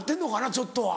ちょっとは。